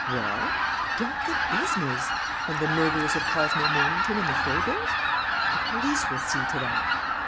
"Well?" "Drop the business." "And the murderers of Cosmo Mornington and the Fauvilles?" "The police will see to that."